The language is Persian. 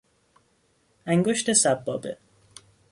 انگشت سبابه